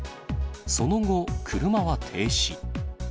その後、車は停止。